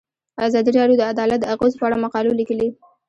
ازادي راډیو د عدالت د اغیزو په اړه مقالو لیکلي.